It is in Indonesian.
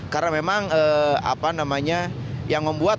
karena memang apa namanya yang membuat